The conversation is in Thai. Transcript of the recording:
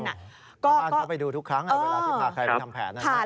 บ้านเขาไปดูทุกครั้งเวลาที่พาใครไปทำแผน